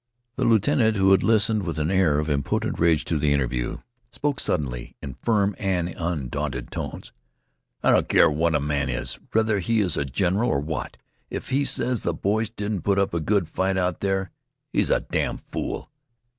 The lieutenant, who had listened with an air of impotent rage to the interview, spoke suddenly in firm and undaunted tones. "I don't care what a man is whether he is a general or what if he says th' boys didn't put up a good fight out there he's a damned fool."